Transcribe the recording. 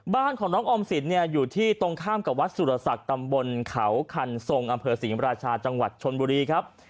บ้านของน้องออมสินเนี่ยอยู่ที่ตรงข้ามกับวัดสุรศักดิ์ตำบลเขาคันทรงอำเภอศรีมราชาจังหวัดชนบุรีครับ